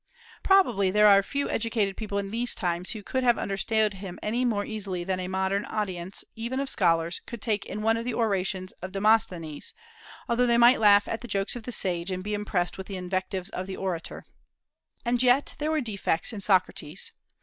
Probably there are few educated people in these times who could have understood him any more easily than a modern audience, even of scholars, could take in one of the orations of Demosthenes, although they might laugh at the jokes of the sage, and be impressed with the invectives of the orator. And yet there were defects in Socrates.